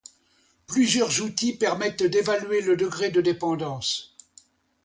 Plusieurs outils permettent d'évaluer le degré de dépendance.